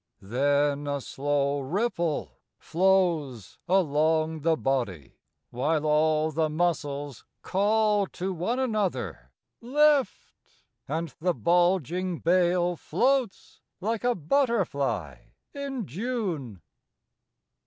Then a slow ripple flows along the body, While all the muscles call to one another :" Lift !" and the bulging bale Floats like a butterfly in June.